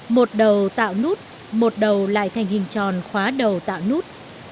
một đầu tạo nút một đầu lại thành hình tròn khóa đầu tạo nút